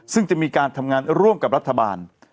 ซึ่งจะมีการทำงานร่วมกับรัฐบาล